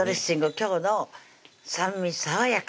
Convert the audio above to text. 今日の「酸味さわやか」